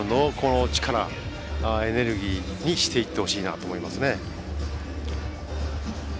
自分の力、エネルギーにしていってほしいなと思いますね。